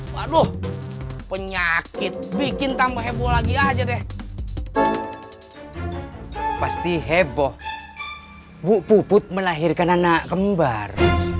waduh penyakit bikin tamu heboh lagi aja deh pasti heboh bu puput melahirkan anak kembar